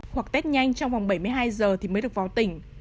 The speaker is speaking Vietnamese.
hoặc test nhanh trong vòng bảy mươi hai giờ thì mới được vào tỉnh